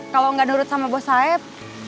kalau gak nurut sama bos saeb